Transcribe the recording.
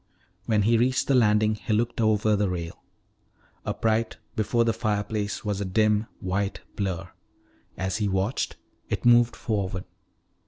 When he reached the landing he looked over the rail. Upright before the fireplace was a dim white blur. As he watched, it moved forward.